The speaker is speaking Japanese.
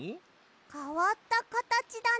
かわったかたちだね。